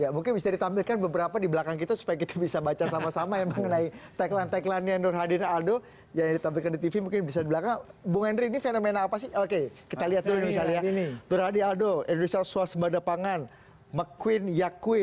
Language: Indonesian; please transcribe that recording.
ya mungkin bisa ditampilkan beberapa di belakang kita supaya kita bisa baca sama sama yang mengenai tagline tagline nurhadir aldo yang ditampilkan di tv mungkin bisa di belakang bung henry ini fenomena apa sih oke kita lihat dulu misalnya ya nurhadir aldo indonesia swasta berdepangan mcqueen yakni